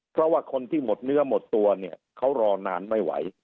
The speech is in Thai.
เพราะว่าคนที่หมดเนื้อหมดตัวเนี่ยเขารอนานไม่ไหว